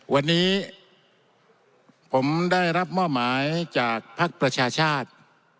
วันนี้ผมได้รับมอบหมายจากภักดิ์ประชาชาติ